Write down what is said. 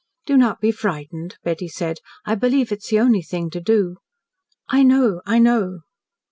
"Do not be frightened," Betty said. "I believe it is the only thing to do." "I know! I know!"